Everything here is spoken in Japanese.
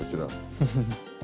フフフ。